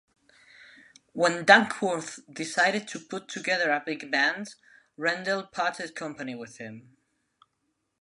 When Dankworth decided to put together a big band, Rendell parted company with him.